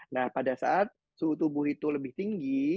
nah pada saat suhu tubuh itu lebih tinggi